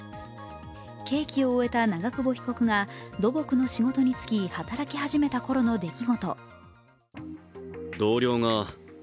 刑期を終えた長久保被告が土木の仕事に就き、働き始めたころの出来事。